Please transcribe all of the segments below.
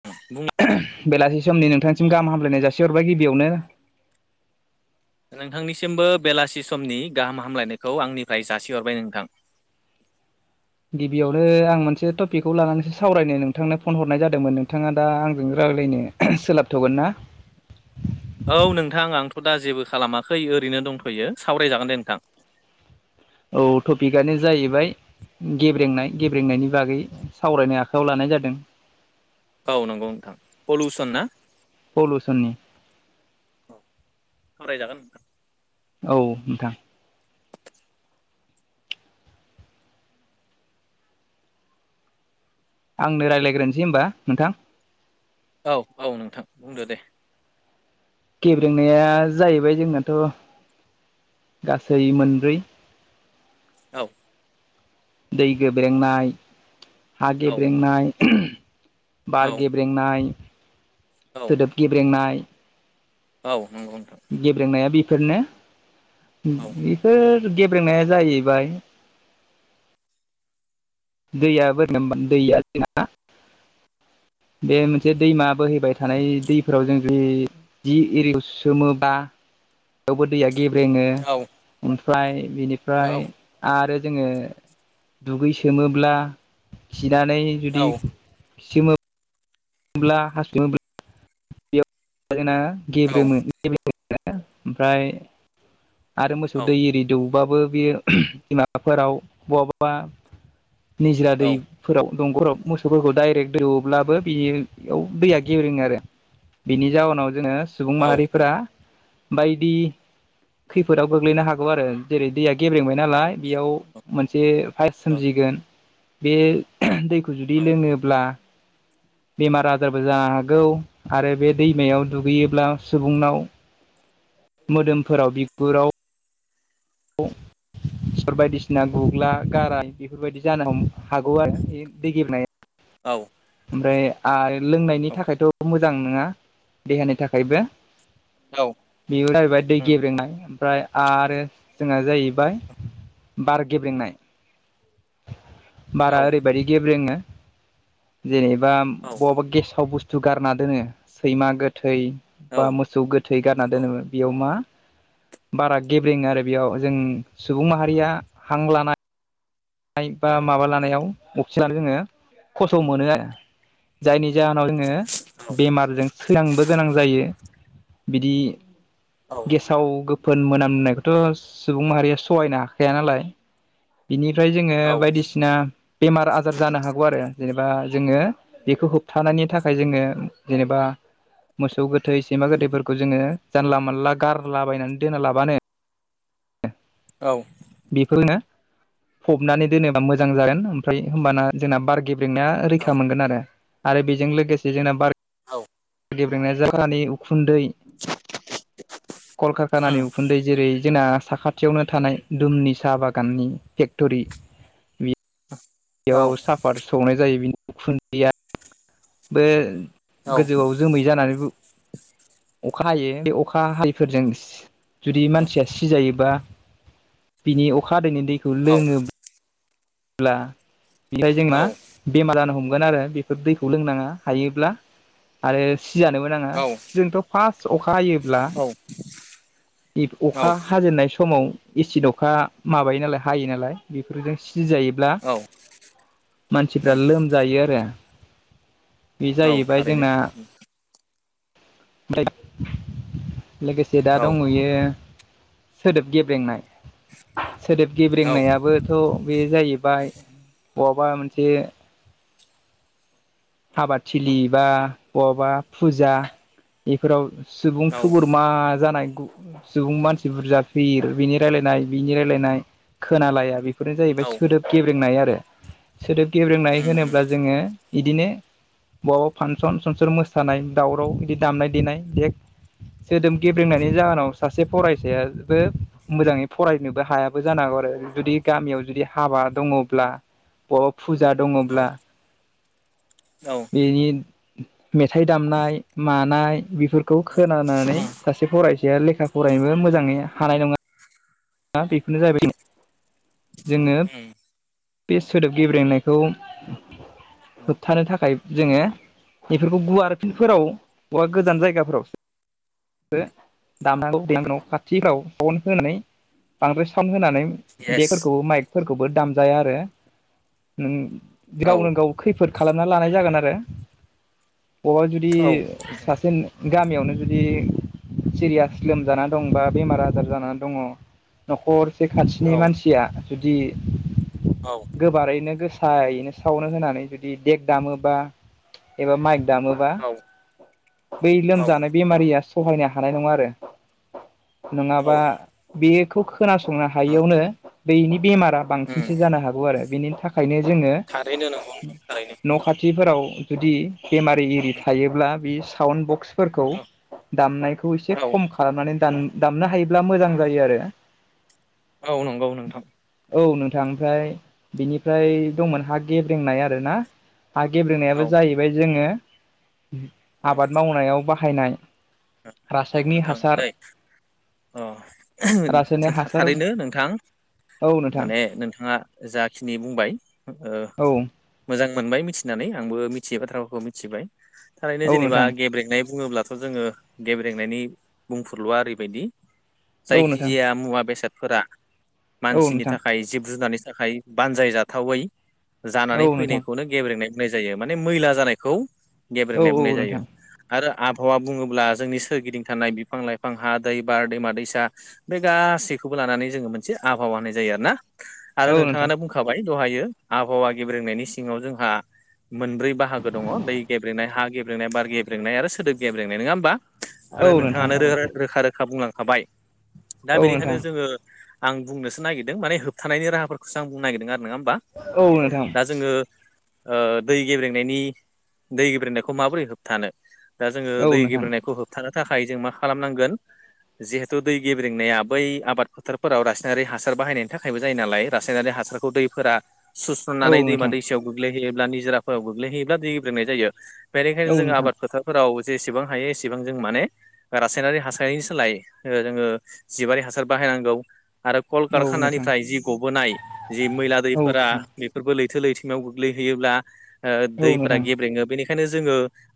[unintelligible] बेलासि समनि नोंथांनिसिम गाहाम हामलायनाय जासिहरबाय गिबियावनो। नोंथांनिसिमबो बेलासि समनि गाहाम हामलायनायखौ आंनिफ्राय जासिहरबाय नोंथां। गिबियावनो आं मोनसे टपिकखौ लानानैसो सावरायनो नोंथांनो फन हरनाय जादोंमोन नोंथाङा दा आंजों रायलायनो सोलाबथ'गोन ना? औ नोंथां आंथ' दा जेबो खालामाखै ओरैनो दंथ'यो सावरायजागोन दे नोंथां। औ टपिकआनो जाहैबाय गेब्रेंनाय गेब्रेंनायनि बागै सावरायनो आखायाव लानाय जादों। औ नोंगौ नोंथां पलिउसन ना? पलिउसननि सावरायजागोन। औ नोंथां। आंनो रायलायग्रोनोसै होमबा नोंथां। औ औ नोंथां बुंदो दे। गेब्रेंनाया जाहैबाय जोंनाथ' गासै मोनब्रै औ। दै गोेब्रेंनाय, हा औ गेब्रेंनाय औ बार गेब्रेंनाय, औ सोदोब गेब्रेंनाय औ नोंगौ नोंथां। गेब्रेंनाया बेफोरनो। औ बेफोर गेब्रेंनाया जाहैबाय दैया [unintelligible] दैया जोंना बे मोनसे दैमा बोहैबाय थानाय दैफोराव जों जेरै जि एरियायाव सोमो बा बेयावबो दैया गेब्रेङो। औ ओमफ्राय बिनिफ्राय आरो जोङो दुगैसोमोब्ला, खिनानै औ जुदि खिसोमोब्ला हासु बा जोंना औ गेब्रेङो। ओमफ्राय आरो मोसौ दै एरि दौबाबो बेयो माबाफोराव बहाबा निजिरा दै फोराव दंगफोराव मोसौफोरखौ डाइरेक्ट दोवोब्लाबो बेयाव दैया गेब्रेङो आरो। बिनि जाउनाव जोङो सुबुं माहारिफोरा बायदि खैफोदाव गोग्लैनो हागौ आरो जेरै दैया गेब्रेंबाय नालाय बेयाव मोनसे फाइस सोमजिगोन, बे दैखौ जुदि लोङोब्ला बेमार आजारबो जानो हागौ आरो बे दैमायाव दुगैयोब्ला सुबुंनाव मोदोमफोराव बिगुराव [unintelligible] सिथर बायदिसिना गुग्ला गाराय बेफोरबायदि जानो हम हागौ आरो दै गेब्रेंनाया। औ। ओमफ्राय आरो लोंनायनि थाखायथ' मोजां नङा देहानि थाखायबो। बेयो जाहैबाय दै गेब्रेंनाय। ओमफ्राय आरो जोंना जाहैबाय बार गेब्रेंनाय। बारा औ ओरैबायदि गेब्रेङो जेनेबा बहाबा गेसाव बुस्थु गारना दोनो सैमा गोथै बा मोसौ गोथै गारना दोनोब्ला बेयाव मा बारा गेब्रेङो आरो बेयाव जों सुबुं माहारिया हां लानाय नाय बा माबा लानायाव अक्सि जोङो खस्थ' मोनो आरो जायनि जाहोनाव जोङो बेमारजों थैलांनोबो गोनां जायो बिदि गेसाव गोब फोन मोनामनायखौथ' सुबुं माहारिया सहायनो हाखाया नालाय बिनि फ्राय जोङो बायदिसिना बेमार आजार जानो हागौ आरो जेनेबा जोङो बेखौ होबथानायनि थाखाय जोङो जेनेबा मोसौ गोथै सैमा गोथैफोरखौ जोङो जानला मोनला गारलाबायनानै दोना लाबानो औ बेखौ फबनानै दोनोबा मोजां जागोन ओमफ्राय होमबाना जोंना बार गेब रोंना रैखा मोनगोन आरो बेजों लोगोसे जोंना बार औ गेब्रेंनाय जखानि उखुन्दै कलकारखानानि उखुन्दै जेरै जोंना साखाथियावनो थानाय दुमनि साहा बागाननि फेक्ट'रि बि [inaudible] बेयाव साफार सौनाय जायो बिनि उखुन्दैया बो औ गोजौआव जोमै जानानैबो अखा हायो बे अखा हादैफोरजों सि जुदि मानसिया सिजायोबा बिनि अखा हादैैनि दैखौ औ लोङोब ब्ला ओमफाय जों मा? बेमार जानो हमगोन आरो बेफोर दैखौ लोंनाङा हायोब्ला आरो सिजानोबो नाङा औ जोंथ' फार्स्ट अखा हायोब्ला औ अखा हाजेननाय समाव एसिड अखा माबायो नालाय हायो नालाय बेफोरजों सिजायो ब्ला औ मानसिफ्रा उम लोमजायो आरो बे औ जाहैबाय थारैनो जोंना लोगोसे दा औ दंहैयो सोदोब गेब्रेंनाय सोदोब औ गेब्रेंनायाबो थ' बे जाहैबाय बहाबा मोनसे हाबाद थिलि बा बहाबा फुजा इफोराव सुबुं औ थुबुर मा जानाय गु सुबुं मानसि बुरजा भिहिर बिनि रायलायनाय बिनि रायलायनाय खोनालाया बे बेफोरनो औ उम औ जाहैबाय सोदोब गेब्रेंनाय आरो सोदोब गेब्रेंनाय उम उम होनोब्ला जोङो इदिनो बहाबा फांसन सनसन मोसानाय दावराव इदि दामनाय देनाय देख सोदोब गेब्रेंनायनि जाहोनाव सासे फरायसायाबो मोजाङै फरायनोबो हायाबो जानो हागौ आरो जुदि गामियाव जुदि हाबा दङब्ला बहाबा फुजा दङब्ला औ बिनि मेथाइ दामनाय मानाय बेफोरखौ खोनानानै सासे सासे फरायसाया लेखा उम फरायनोबो मोजाङै हानाय नङा आ बेखौनो जाहैबाय जोङो उम बे सोदोब गेब्रेनायखौ उम होबथानो थाखाय जोङो बेफोरखौ गुवार फिलफोराव बा गोजान जायगाफोराव बो दामनांगौ उम [unintelligible] खाथिफ्राव बन होनानै बांद्राय साउन्ड होनानै येस देगफोरखौ माइकफोरखौबो दाम जाया आरो नों औ गावनो गाव खैफोद खालामना लानाय जागोन आरो बबावबा जुदि औ सासे नो गामियावनो जुदि सिरियास लोमजाना दं बा बेमार आजार जानानै दङ न'खरसे औ खान्थिनि मानसिया जुदि औ गोबारैनो गोसायैनो सावन्द होनानै जुदि देग दामोबा एबा माइक दामोबा औ बै औ लोमजानाय बेमारिया सहायनो हानाय नङा आरो नङाबा बेखौ खोनासंनो हायियावनो बेनि बेमारा बां उम सिन जानो हागौ आरो बिनि थाखायनो जोङो थारैनो नंगौ नोंथां थारैनो न' खाथि खाथिफोराव जुदि बेमारि एरि थायोब्ला बे साउन्ड बक्स फोरखौ उम दामनायखौ एसे औ खम खालामनानै दाम दामनो हायोब्ला मोजां जायो आरो औ नंगौ नंगौ औ नोंथां ओमफ्राय बिनिफ्राय दंमोन हा गेब्रेंनाय आरो ना हा औ गेब्रेंनायाबो जाहैबाय जोङो औ आबाद मावनायाव बाहायनाय औ रासायनिक नोंथां हासार दैै अ रासायनिक हासार थारैनो औ नोंथां नोंथां माने नोंथाङा जाखिनि बुंबाय ओ औ मोजां मोनबाय मिथिनानै आंबो मिथियै बाथ्राफोरखौ मिथिबाय थारैनो औ जेनेबा नोंथां गेब्रेंनाय बुङोब्ला थ' जोङो गेब्रेंनायनि बुंफोरल'आ ओरैबायदि औ नोंथां जायखिजाया मुवा बेसाद फोरा औ मानसिनि नोंथां थाखाय जिब जुनारनि थाखाय बानजाय जाथावै औ जानानै नोंथां फैनायखौनो गेब्रेंनाय बुंनाय जायो माने मैला जानायखौ औ गेब्रेंनाय औ बुंनाय नोंथां जायो आरो आबहावा बुङोब्ला जोंनि सोरगिदिं थानाय बिफां लाइफां हा दै बार दैमा दैसा बे गासैखौबो लानानै जोङो मोनसे आबहावा होनाय जायो आरो ना आरो औ नोंथां नोंथाङानो बुंखाबाय दहायो आबहावा गेब्रेंनायनि सिङाव जोंहा मोनब्रै बाहागो दङ दै गेब्रेंनाय हा गेब्रेंनाय बार गेब्रेंनाय आरो सोदोब गेब्रेेंनाय नङा होमबा आरो औ नोंथां औ नोंथाङानो नोंथां रोखा रोखा बुंलांखाबाय दा औ बेनिखायनो नोंथां जोङो आं बुंनोसो नागिरदों माने होबथानायनि राहाफोरखौसो आं बुंनो नागिरदों आरो नङा होमबा औ नोंथां दा जोङो ओ दै गेब्रेंनायनि दै गेब्रेंनायखौ माबोरै होबथानो दा जोङो दै नोंथां गेब्रेंनायखौ होबथानो थाखाय जों मा खालाम नांगोन जिहेथु दै गेब्रेंनाया बै आबाद फोथारफोराव रासायनारि हासार बाहायनायनि थाखायबो जायो नालाय रासायनारि हासार थ दैफोरा औ सुस्र'नानै दैमा नोंथां दैसायाव गोग्लैहैयोब्ला निजोराफोराव गोग्लैहैयोब्ला दै गेब्रेंनाय जायो औ बेनिखायनो जोङो नोंथां आबाद फोथारफोराव जेसेबां हायो एसे एसेबां जों माने रासायनारि हासारनि सोलाय ओ जोङो जिबारि हासार बाहायनांगौ आरो कल औ नोंथां कारखानानिफ्राय जि गबोनाय जि मैला औ दैफोरा नोंथां बेफोरबो लैथो लैथोमाव गोग्लैहैयोब्ला ओ औ दैफोरा नोंथां गेब्रेङो बेनिखाय बेखायनो जोङो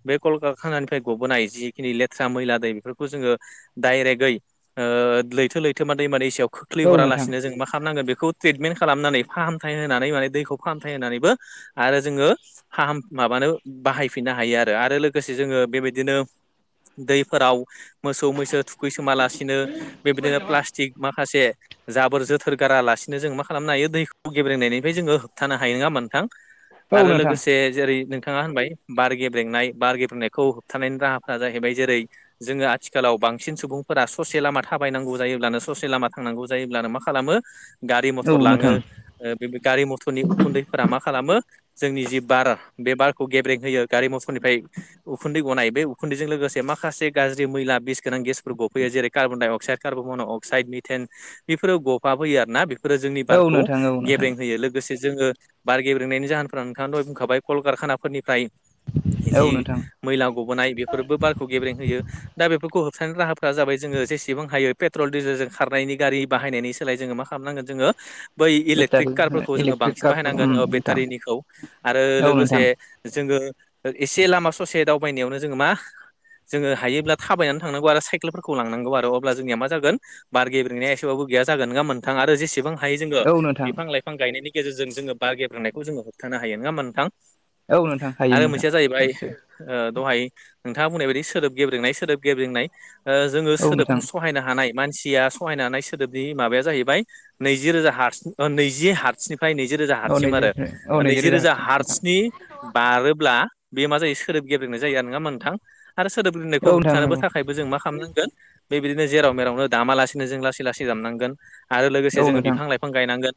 बे कल कारखानानिफ्राय गबोनाय जि नि लेथ्रा मैला दै बेफोरखौ जोङो डाइरेक्टयै ओ लैथो लैथोमा दैमा दैसायाव औ नोंथां खोख्लैहरालासिनो जों मा खालाम नांगोन बेखौ ट्रिटमेन्ट खालामनानै फाहामथाय होनानै माने दैखौ फाहामथाय होनानैबो आरो जोङो फाहाम माबानो बाहायफिननो हायो आरो आरो लोगोसे जोङो बेबायदिनो दैफोराव मोसौ मैसो थुखैसोमालासिनो बेबायदिनो प्लास्टिक माखासे जाबोर जोथोर गारालासिनो जों मा खालामनो हायो दैखौ गेब्रेंनायनिफ्राय जोङो होबथानो हायो नङा होमबा नोंथां? औ आरो नोंथां लोगोसे जेरै नोंथाङा होनबाय बार गेब्रेंनाय बार गेब्रेंनायखौ होबथानायनि राहा ओ जाहैबाय जेरै जोङो आथिखालाव बांसिन सुबुंफोरा ससे लामा थाबायनांगौ जायोब्लानो ससे लामा थांनांगौ जायोब्लानो मा खालामो गारि औ मथर लाङो नोंथां ओ बे गारि मथरनि उखुन्दै फोरा मा खालामो जोंनि जि बार बे बारखौ गेब्रें होयो गारि मथरनिफ्राय उखुन्दै गनाय उ उखुन्दैजों लोगोसे माखासे गाज्रि मैला बिस गोनां गेसफोर गफैयो जेरै carbon dioxide carbon monoxide methane बेफोरो गफा बोयो आरोना बेफोरो जोंनि औ बारखौ नोंथां औ नोंथां गेब्रें होयो लोगो लोगोसे जोङो बार गेब्रेंनायनि जाहोनफोरा नोंथाङा दहाय बुंखाबाय कल कारखानाफोरनिफ्राय औ जि नोंथां मैला गबोनाय बेफोरबो बारखौ गेब्रें होयो दा बेफोरखौ होबथानो राहाफोरा जाबाय जोङो जेसेबां हायो पेट्रल डिजेलजों खारनायनि गारि बाहायनायनि सोलाय जोङो मा खालामनांगोन जोङो बै इलेक्ट्रिक बेटारि कारफोरखौ जोङो इलेक्ट्रिक बांसिन कारफोर उम बाहायनांगोन ओ नोंथां बेटारिनिखौ आरो औ लोगोसे नोंथां जोङो ओ एसे लामा ससे दावबायनायावनो जोङो मा जोङो हायोब्ला थाबायनानै थांनांगौ आरो साइकेलफोरखौ लांनांगौ आरो अब्ला जोंनिया मा जागोन। बार गेब्रेंनाया एसेबाबो गैया जागोन। नङा होमबा नोंथां? आरो जेसेबां हायो जोङो औ नोंथां बिफां लाइफां गायनायनि गेजेरजों जोङो बार गेब्रेंनायखौ जोङो होबथानो हायो। नङा होमबा नोंथां? औ नोंथां हायो आरो नोंथां मोनसेया जाहैबाय निस्सय ओ दहाय नोंथाङा बुंनाय बायदि सोदोब गेब्रेंनाय सोदोब गेब्रेनाय ओ जोङो औ सोदोब नोंथां सहायनो हानाय मानसिया सहायनो हानाय सोदोबनि माबाया जाहैबाय नैजि रोजा हार्स ओ नैजि हार्सनिफ्राय नैजि रोजा औ हार्ससिम नैजि आरो औ ओ नैजि नैजिरोजा रोजा हारसिं नोंथां हार्सनि बारोब्ला बे मा जायो सोदोब गेब्रेंनाय जायो आरो नङा होमबा नोंथां आरो सोदोब गेब्रेंनायखौ औ नोंथां होबथानोबो नंगौ थाखाय जों मा खालामनांगोन बेबायदिनो जेराव मेरावनो दामा लासेनो जों लासै लासै दामनांगोन। आरो लोगोसे औ जोङो नोंथां बिफां लाइफां गायनांगोन।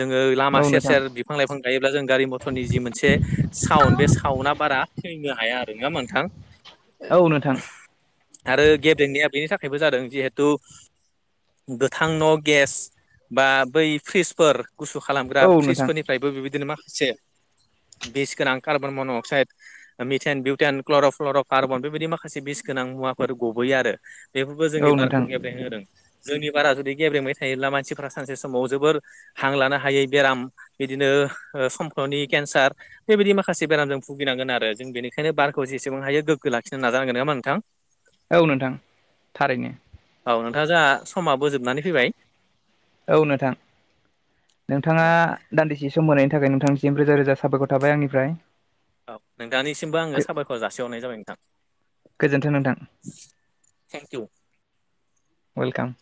जोङो लामा औ सेर नोंथां सेर बिफां लाइफां गायोब्ला जों गारि मथरनि जि मोनसे साउन्ड बे साउन्डा बारा फैनो हाया आरो नङा होमबा नोंथां? औ नोंथां। आरो गेब्रेंनाया बेनि थाखायबो जादों जिहेथु गोथां न' गेस बा बै फ्रिजफोर गुसु खालामग्रा औ नोंथां फ्रिजफोरनि फ्रायबो बिबायदिनो माखासे बिस गोनां carbon monoxide, methane, butane, क्ल'रफ colour' carbon बेबायदि माखासे बिस गोनां मुवाफोर गबोयो आरो बेफोरबो औ जोंनि बारखौ नोंथां गेब्रें होदों। जोंनि बारा जुदि गेब्रेंबाय थायोब्ला मानसिफ्रा सानसे समाव जोबोर हां लानो हायै बेराम बिदिनो ओ समफ्लनि केन्सार। बेबायदि माखासे बेरामजों भुगिनांगोन आरो जों बेनिखायनो बारखौ जेसे बेसेबां हायो गोगो लाखिनो नाजानांगोन नङा होमबा नोंथां? औ नोंथां थारैनो। औ नोंथां जोंहा समाबो जोबनानै फैबाय। औ नोंथां। नोंथाङा औ दान्दिसे सम होनायनि थाखाय नोंथांनिसिम रोजा रोजा साबायखर थाबाय आंनिफ्राय। औ नोंथांनिसिमबो आङो साबायखर जासिहरनाय जाबाय नोंथां। गोजोन्थों नोंथां। Thank you. वेलकाम।